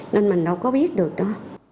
nên mình đâu có biết được đó